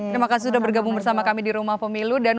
terima kasih sudah bergabung bersama kami di rumah pemilu dan